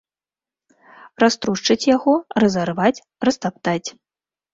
Раструшчыць яго, разарваць, растаптаць.